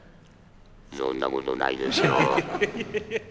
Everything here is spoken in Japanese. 「そんなことないですよ」。